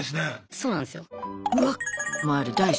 そうなんすよ。